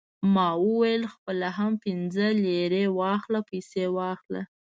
ما وویل: خپله هم پنځه لېرې واخله، پیسې واخله.